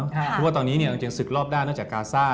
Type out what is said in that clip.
เพราะว่าตอนนี้เนี่ยจริงสึกรอบด้านเนอะจากกาซ่า